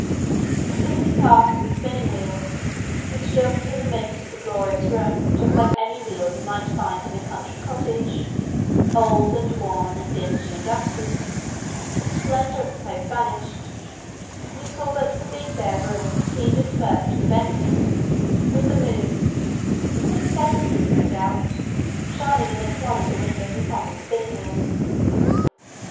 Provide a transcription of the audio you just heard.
As soon as he passed the spinning wheel, which looked, in the midst of the glorious room, just like any wheel you might find in a country cottage old and worn and dingy and dusty the splendour of the place vanished, and he saw but the big bare room he seemed at first to have entered, with the moon the princess's moon no doubt shining in at one of the windows upon the spinning wheel.